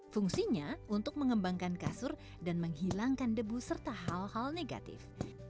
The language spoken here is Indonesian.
fungsinya untuk mengembangkan kasur dan menghilangkan debu serta hal hal negatif